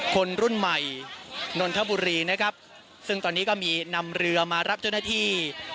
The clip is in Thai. คนรุ่นใหม่นนทบุรีนะครับซึ่งตอนนี้ก็มีนำเรือมารับเจ้าหน้าที่